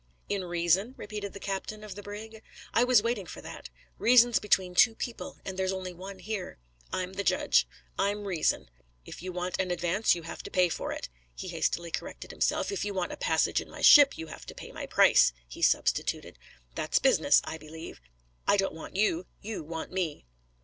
"In reason?" repeated the captain of the brig. "I was waiting for that. Reason's between two people, and there's only one here. I'm the judge; I'm reason. If you want an advance you have to pay for it" he hastily corrected himself "If you want a passage in my ship, you have to pay my price," he substituted. "That's business, I believe. I don't want you; you want me."